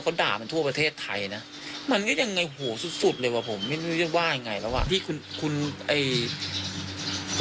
ก็มีไหวที่พี่สุดในความสัมพันธ์